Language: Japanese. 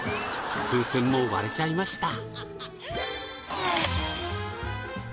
風船も割れちゃいました。